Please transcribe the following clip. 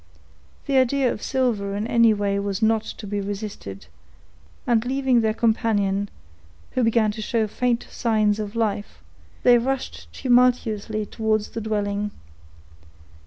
The idea of silver in any way was not to be resisted; and, leaving their companion, who began to show faint signs of life, they rushed tumultuously towards the dwelling.